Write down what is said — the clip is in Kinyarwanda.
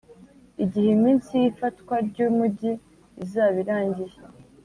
Igihe iminsi y’ifatwa ry’umugi izaba irangiye